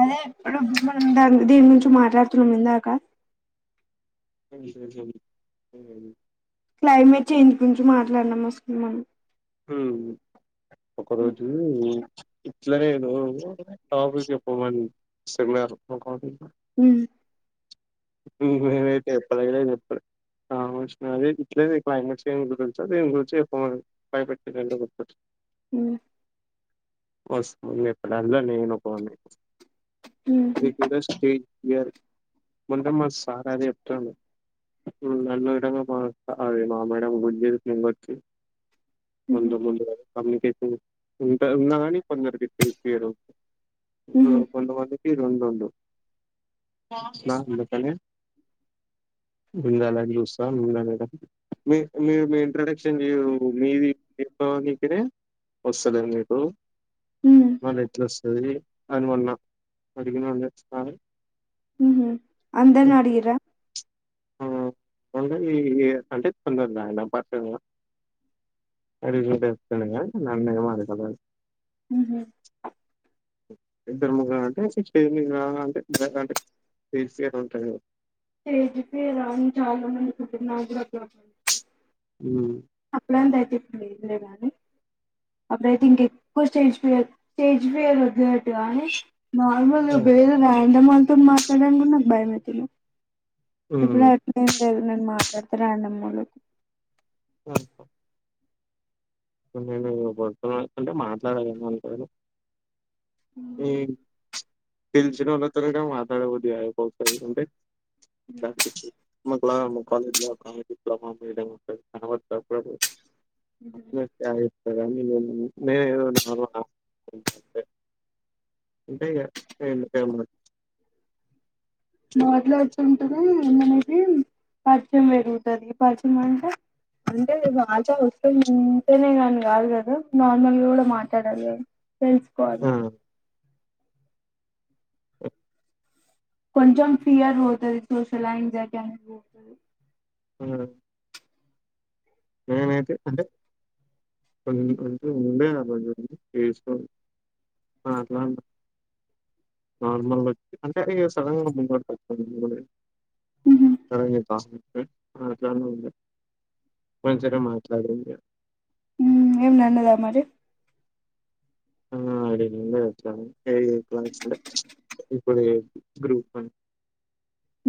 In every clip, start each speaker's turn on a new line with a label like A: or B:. A: అదే ఇప్పుడు మనం దా దీని గురించి మాట్లాడుతున్నాం ఇందాకా క్లైమేట్ చేంజ్ గురించి మాట్లాడినాం అసలు మనం
B: హ్మ్ ఒక రోజు ఇట్లా నేను కాఫీ చెప్పమన్నారు ఒక కాఫీ
A: హ్మ్
B: ఊహూ నేనైతే చెప్పనైన చెప్పల [unintelligible] క్లైమేట్ గురించో దేని గురించో చెప్పమని భయపెట్టి [unintelligible]
A: హ్మ్
B: వస్తదని చెప్పడంలో నేనుకోడిని రెగ్యులర్ స్టేజ్ ఫియర్ ర్ ముందు మా సార్ అదే చెప్తుండు న విధంగా మా అవి మా మేడం గుజజకొచ్చి ముందు ముందు వ కమ్యూనికేషన్ ఉంటా ఉన్నా గాని కొందరుకి ఇప్పీయరు కొంత కొంది ఇరుండ ఉందుకనే బింద అ మేడం మీ మీ మీ ఇంట మీది దీనికినే వస్తుందిండి మీకు మళ్ళ ఎట్లా వస్తుంది అని మళ పడుకన్నంట స్న
A: ఉ అందరి నా అడిగిరా
B: ఉండయి అంటే పంతద ఎద పాటు అడి అన్నయమాదదా
A: హ
B: ఇద్దరుము కా అంటే చేమి కా అంటే అంటే తీ తంట
A: ఫ రాని చాల మంది నాగ
B: హమ్
A: అప్పుడుంత అయితేంది నీ అప్పుడథంకంజ స్టేజ్ ఫిర్టు నార్మల్ గా బేరమ ఎమని వాళ్ల్తో మాట్లాడానికి కూడా నాకు భయమతుంద. ఇప్పుడు ఎట్ లేదు నన్నను మాట్లాడు తోరాండ్ అమ్మెలుకు
B: ఆ ఇప్ ప్పుడు నేను పడుతున్నాకుంటే మాట్లాడాల అనుకుంటాను ఇగ ఈమ్ ప్చ్ తేల్చినోళ్లైతేనే తొరెగా మాట్ తడ బుద్ధి కాదు ఒకొకసారి అంటే ఇట్లా మా కులామ్, మా కాలేజీలో వాళ్ళ్ అవును [unintelligible] [unintelligible] యావి ఇవన్నీ ఎందివి ఇంగే ఎవన కావలంట ఎ అంటే ఇగ ప్చ్ ఎమన్ ఎమనన్
A: నోట్లు ఎక్కువుంటేనే మనకి పరిచయం పెరుగుతది. పరిచయం అంటే, అంటే వాళ్తో వస్తుఉంటేనే కానీ కాదు కదా నార్మల్గా కూడా మాట్లాడాలి అని.
B: ఆ
A: తెలుసుకోవాలి కొంచెం ఫియర్ పోతుది సోషల్ ఎంగ్జైటీ అనేది పోతది
B: అవునా అ అతే అంటే కొ అంటే ఉండే ఆజు చేసుకో అట్లా నార్మల్ అంటే అ సడన్ గా [inaudible] [unintelligible] సరే లే ఆక ఆ చానా ఉం రొంచెపు అయినా మాట్లాడ్రు ఇంకా
A: మ్ ఏం నన్నద మరి
B: [unintelligible] ఇప్పుడు గ్రూప్ అని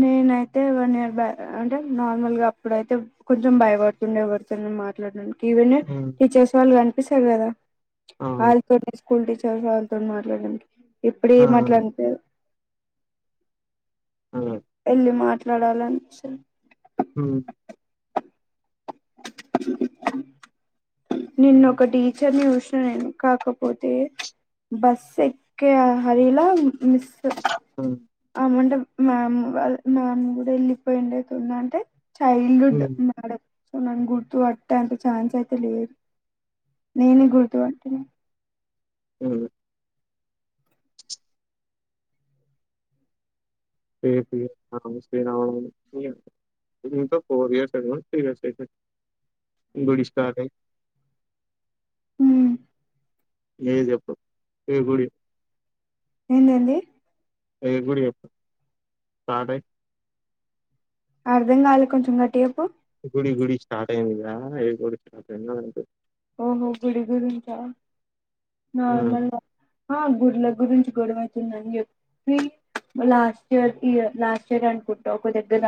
A: నేనైతే వన్ ఇయర్ బ్యా అంటే నార్మల్ గా అప్పుడైతే కొంచెం భయపడుతుండే ఎవరితోన మాట్లాడడాని ఇవన్
B: ఆ
A: టీచర్స్ వాళ్ళు కన్ పిస్తది కదా
B: ఆ
A: ఆల్ తోని స్కూల్ టీచ టొజు వాళ్ళతో మాట్లాడడానికి
B: ఆ
A: ఇప్పుడేమట్లంటే
B: ఆ
A: వెళ్ళి మాట్లాడాలనిపిస [unintelligible]
B: హ్మ్.
A: నిన్న ఒక టీచర్ ని చూసిన నేను కాకపోతే బస్ ఎక్కే హర్రిలా మిస్
B: హ్మ్.
A: ఆమంటే మామ్ వాళ్ మామ్ కూడా వెళ్ళిపోయిండేటుందంటే చైల్డ్ హుడ్
B: హ్మ్.
A: మేడం సో నన్ను గుర్తు పట్టే అంత చాన్స్ అయితే లేదు నేను గుర్తు పట్టిన.
B: [unintelligible] ఏటి ఆమ్స్ వినపడుతుంది [unintelligible] ఇంకో ఫోర్ ఇయర్స్. కదా ప్రీవియస్ స్టేట్మెంట్ గుడి స్టార్టై
A: హ్మ్.
B: ఏ చెప్పు ఏ గుడి
A: ఏందండి
B: ఏ గుడి చెప్పు. స్టాటై
A: అర్ధం కాలే కొంచం గట్టిగా చెప్పు
B: గుడి గుడి స్టార్ట్ అయింది. ఆ ఏం గుడి [unintelligible]
A: ఓహో గుడి గురించా.
B: ఆ!
A: నార్మల్ గా హా గు లా గురించి గొడవ అతుందని చెప్పి లాస్ట్ ఇయర్ ఇ లాస్ట్ ఇయర్ అనుకుంటా ఒక దగ్గర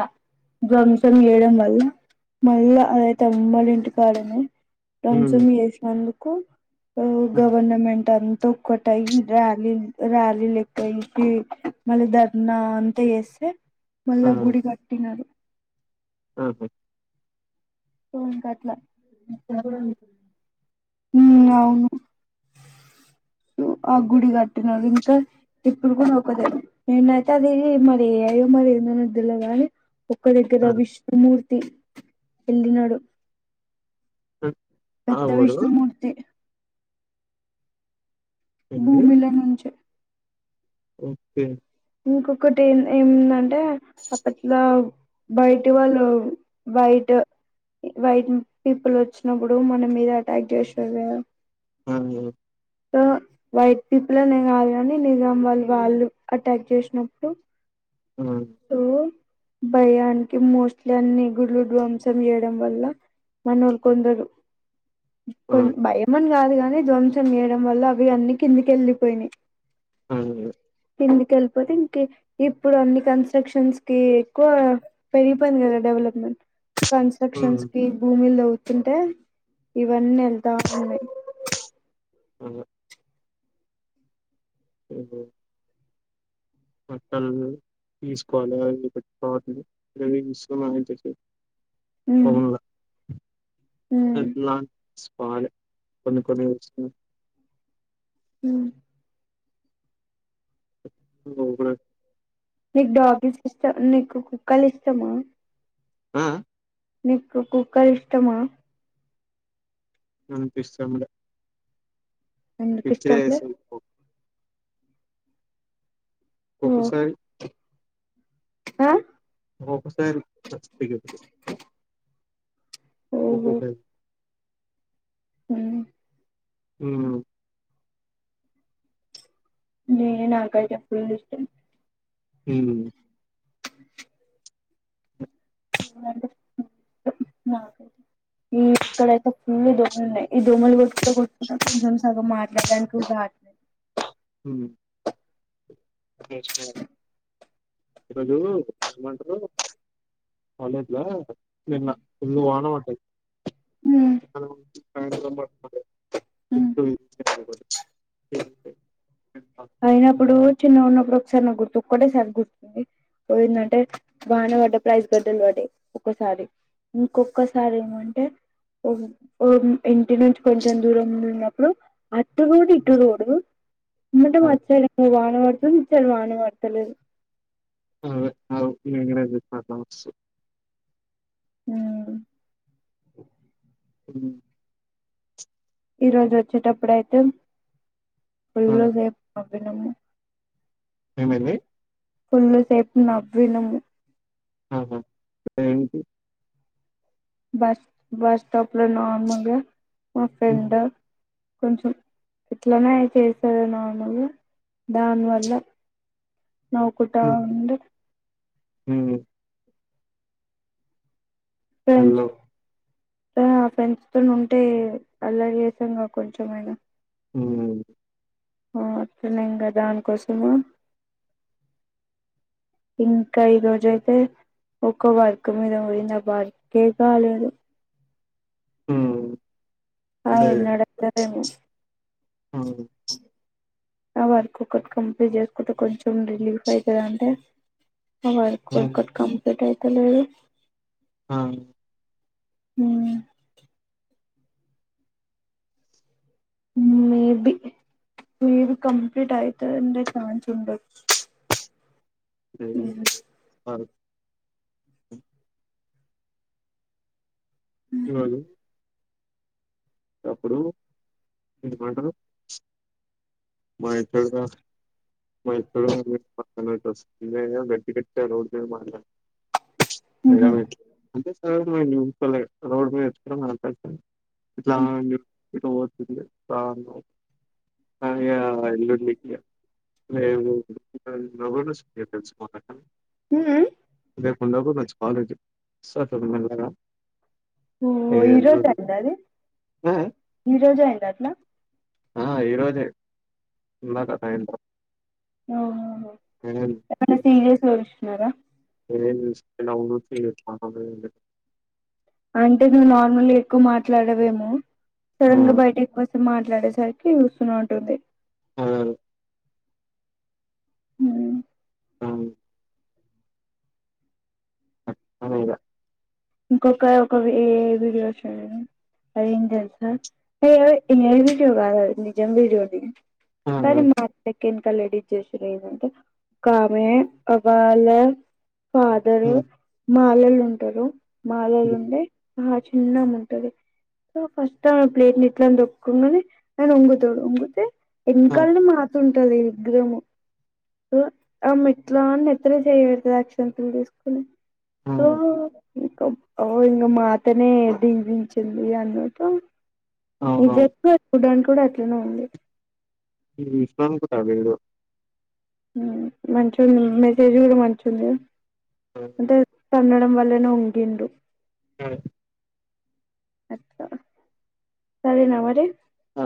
A: ధ్వంసం చేయడం వల్ల మళ్ళా అదైతే అమ్మడి ఇంటి కాడనే.
B: హ్మ్.
A: ధ్వంసం చేసినందు కు ఓ
B: హ్మ్.
A: గవర్నమెంట్ అం [unintelligible] తొక్కటాయి ర్యాలీలు ర్యాలీలు ఎక్కువయ్యి మళ్ళీ ధర్నా అంతా చేస్తే. మళ్ళ
B: ఆ!
A: గుడి కట్టినరు
B: ఆహా.
A: ఫోన్ కాట్లా. ఇక్కడ కూడా లేదు ఉమ్ అవును ఆ గుడి కట్టిన ఇంకా ఇప్పుడు కూడా ఒకద నేనైతే అది మరి ఏయయో మరి ఏందో తెలీదుగానీ ఒక్క దగ్గర
B: ఆ!
A: విష్ణుమూర్తి. తి. వెళ్ళినాడు.
B: ఆహ్.
A: పెద్ద విష్ణుమూర్తి.
B: ఎళ్ళి
A: భూమిలో నుంచే.
B: ఓకే.
A: ఇంకొకటి ఏం ఏందండి. అట్లా
B: ఆ!
A: బయటి వాళ్ళు బైట్. వైట్ పీపుల్ వచ్చినప్పుడు మన మీద అటాక్ చేసారు
B: అవును
A: ో వైట్ పీపుల్నే కాదు కానీ నిజామా వాళ్ళు వాళ్ళు అ ట్యాక్ చేసినప్పుడు
B: ఆ!
A: ఓ భయానికి మోస్ట్లీ అన్ని గుళ్లు ధ్వంసం చేయడం మనోళ్లుకొందరు
B: ఆ!
A: కొ భయంమని కాదు కానీ ధ్వంసం చేయడం వల్ల అవి అన్ని కిందికి వెళ్ళిపోయినాయి
B: ఆ
A: కిందుక వెళ్ళిపోతే ఇంక ఇప్పుడు అన్ని క సెక్షన్స్ కి ఎక్కువ పెరిగిపోయింది కదా డెవలప్మెంట్
B: హ్మ్.
A: కన్స్ట్రక్షన్స్కి భూమి లోవుతు తుంటే ఇవన్నీ వెళ్తా ఉన్నాయి
B: ఆ ఉహూ బట్టలను తీసుకోవాల అవి అన్ని పెట్టుకోవాలి ఏమేం తీసుకున్నా ఏమేం తీసుకోలేదు
A: ఉమ్
B: అవును
A: ఉమ్
B: ఎట్ల పోవాలి కొన్ని కొన్ని వస్తులు
A: ఉమ్
B: ఓ
A: న డాగి సిస్ట కుక్కలు ఇష్టమా
B: ఆ
A: నీకు కుక్కలు ఇష్టమా
B: అనిపిస్తం లే
A: ఎందుకి ఇష్టముంది ఓ
B: ఒక్కొక్కసారి
A: ఆ
B: ఒక్కొక్కసారి చ చ
A: ఓహో
B: ఒక్కొక్క రి
A: హ్మ్.
B: అ
A: నేను నాకైతే పుల్లిష్టం
B: హ
A: ంట నా ఈ ఇక్కడ అయితే ఫుల్ దోమలు ఉన్నయి ఈ దోమలు కొట్టుకుంట కూ ఇంక ఎక్సామ్స్ అట మా మల్ల ఇంక్రీస్ కాట్లె
B: హ్మ్ ఒక రోజు ఏమంటరు హాలిడేస్ లా నిన్న ఫుల్లు వాన పడ్డది [inaudible]
A: అయినప్పుడు చిన్నగున్నప్ పోయిందంటే వాన పడ్డ ప్రైస్ గడ్డలు పడ్డాయి ఒక్కసారి ఇంకొక్కసారి ఏమంటే ఓహ్! ఓహ్! ఇంటి నుంచి కొంచెం దూరం ఉన్నప్పుడు అటు రోడ్ ఇటు రోడ్ ఎమ్మటే
B: ఆ,
A: మళ్ళ అటు సైడ్ వానవడుతుంది. ఇన్నించలి వాన పడుతలేదు.
B: ఆ అవు నేన్ గూడ ఇప్ప బాక్స్
A: హ్మ్.
B: హ్మ్
A: ఈ రోజు వచ్చేటప్పుడైతే
B: ఆ,
A: ఫుల్లు జూత్త దినమ్ము
B: ఏమైంది
A: ఫుల్లు సేపు నవ్వినము
B: ఆహా ఎందుకు
A: బస్ బస్ స్టాప్ లో నార్మల్గా మా ఫెండ్ కొంచెం ఇట్లనె అయితది సో నార్మల్గా దానివల్ల నవ్వుకుంటా ఉంది. అ ఫ్రెంచ్
B: హలో
A: ఆ ఫ్రెండ్స్ తో ఉంటే అల్లా చేసంగా కొంచమైనా
B: ఉ
A: ఆ అట్టనే ఇంగ దానికోసము ఇంకా ఈ రోజ అయితే ఒక వర్క్ మీద పోయిన వర్కే కాలేదు
B: హ్మ్. అంటే
A: అవిడత [unintelligible]
B: హ్మ్.
A: ఆ వర్క్ ఒకటి కంప్లీట్ చేసుకుంటే కొంచెం రిలీఫ్ అయితదాంటే ఆ వర్క్
B: హ్మ్.
A: ఒకటి కం ఎటైతలేదు
B: ఆ
A: ఉమ్ మేబి మేబి కంప్లీట్ అయితదంటే ఛాన్స్ ఉండొచ్చు
B: [inaudible] ఇవాళ అప్పుడు ఎందుకంటరు మైసడు మైసడుస్తు గట్టి గట్టటి రడ్ మ
A: ఉహు
B: మడ [unintelligible] పోయి నింపలే రోడ్ మీద ఎత్తుకున్న మల్లపోయి ఇట్లా ఆన్ ఇట్లాపోతుంది రా అన్నం ఇగ ఎల్లుండికి ఇగ రేవు కూడా తెలుసుకోవాలిక్క
A: ఉహు
B: లేేకుండా కూడాఇ రోజు కాలేజీ సతం మండల
A: ఓ రోజు అయింద అది
B: ఆ!
A: ఈ రోజు అయింది అటనా
B: ఆ! ఈరోజే ఇందాక
A: ఓహో
B: సాయంత్రం.
A: ఏమన్నా సీరియస్ ఇస్ కదా
B: ముకలా ఎలా [unintelligible]
A: అంటే నువు నార్మల్గ ఎక్కువ మాట్లాడవేమో సడన్ గ
B: ఉమ్,
A: బయటకి బస్ మాట్లాడేసరికి ఒస్తనే ఉంటుంది
B: అదే,
A: అ మ్
B: అవును అనై ద
A: ఇంకొక ఒక ఏ ఐ వీడియో ఒచ్చింది అదేందో తెలుసా ఏ ఐ వీడియో కాదది నిజం వీడియో
B: ఉమ్,
A: కని మపే కి న్ [unintelligible] ఒకామె అవాల [unintelligible] ఫాదరు
B: ఉమ్,
A: మాలలు ఉంటారు మాలలుండి ఆ చిన్నమ్మ ఉంటది సో ఫస్ట్ ఆమె ప్లేట్ ని ఎట్లా దొక్కకుండానే ఆయన ఉంగుతాడు వంగితే
B: ఉమ్,
A: వెనకాలని మాతుంటది విగ్రహము సో ఆమె ఎట్లాని ఎత్తన చేయబడుతుంది అక్షంతలు తీసుకుని సో
B: ఉమ్,
A: ఇంకా ఓ ఇంక మాతనే దివించింది అన్నట్టు ఇజ
B: అవునవును.
A: [unintelligible] కూడా అట్లనే ఉంది
B: ఈ విస్మాన్ కూడా అ ఇడు
A: మంచి ఉంది మెసేజ్ కూడా మంచి ఉంది
B: ఉమ్,
A: అంటే కన్నడం వల్లనే ఒంగింు
B: ఉమ్
A: అ సరేన మరి
B: ఆ.